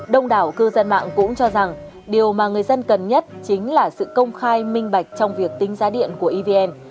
đông đảo cư dân mạng cũng cho rằng điều mà người dân cần nhất chính là sự công khai minh bạch trong việc tính giá điện của evn